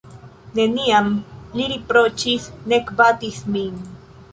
Neniam li riproĉis, nek batis min.